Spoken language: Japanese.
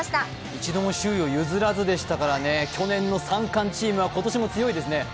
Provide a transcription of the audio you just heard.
１度も首位を譲らずでしたからね、去年の三冠チームは今年も強いですね。